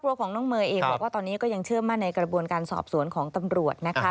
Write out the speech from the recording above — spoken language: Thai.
ของน้องเมย์เองบอกว่าตอนนี้ก็ยังเชื่อมั่นในกระบวนการสอบสวนของตำรวจนะคะ